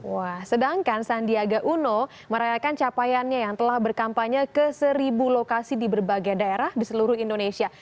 wah sedangkan sandiaga uno merayakan capaiannya yang telah berkampanye ke seribu lokasi di berbagai daerah di seluruh indonesia